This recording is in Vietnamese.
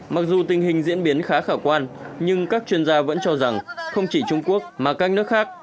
mặc dù tình hình diễn biến khá khả quan nhưng các chuyên gia vẫn cho rằng không chỉ trung quốc mà các nước khác